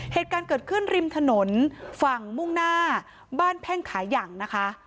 เหตุการณ์เกิดขึ้นริมถนนฝั่งมุ่งหน้าบ้านแพ่งขายังนะคะ